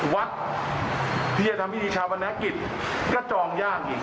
วัดที่จะทำพิธีชาปนกิจก็จองยากอีก